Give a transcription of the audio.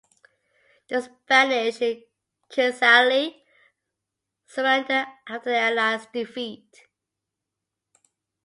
The Spanish in Kinsale surrendered after their allies' defeat.